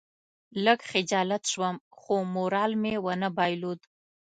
لږ خجالت شوم خو مورال مې ونه بایلود.